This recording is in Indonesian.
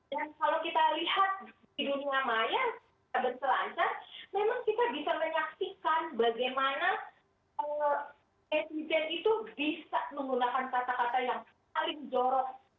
kalau kita lihat di dunia maya kita bisa menyaksikan bagaimana netizen itu bisa menggunakan kata kata yang paling jorok